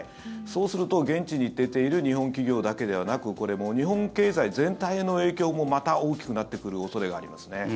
そうすると、現地に行っている日本企業だけではなくこれ、日本経済全体への影響もまた大きくなってくる恐れがありますね。